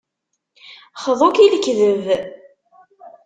Xḍu-k i lekdeb.